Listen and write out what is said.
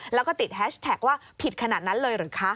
แล้วก็ติดแฮชแท็กว่าผิดขนาดนั้นเลยหรือคะ